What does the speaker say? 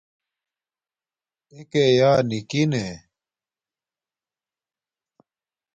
اݵکݺ اݵیݳ نِکِن نݺ؟